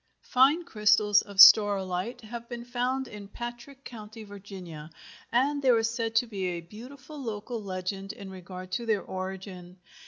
Fine crystals of staurolite have been found in Patrick County, Virginia, and there is said to be a beautiful local legend in regard to their origin.